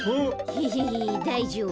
ヘヘヘだいじょうぶ。